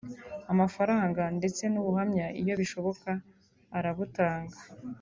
amafaranga ndetse n’ubuhamya iyo bishoboka arabutanga